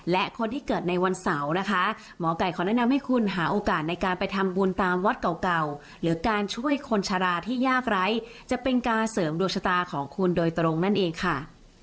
และคนที่เกิดในวันเสาร์นะคะหมอไก่ขอแนะนำให้คุณหาโอกาสในการไปทำบุญตามวัดเก่าหรือการช่วยคนชะลาที่ยากไร้จะเป็นการเสริมดวงชะตาของคุณโดยตรงนั่นเองค่ะ